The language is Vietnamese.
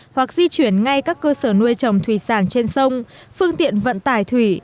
hoặc di chuyển ngay các cơ sở nuôi trồng thủy sản trên sông phương tiện vận tải thủy